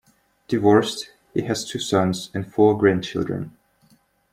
Divorced, he has two sons and four grandchildren.